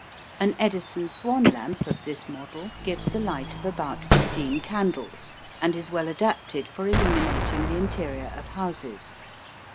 An Edison Swan lamp of this model gives a light of about 15 candles, and is well adapted for illuminating the interior of houses.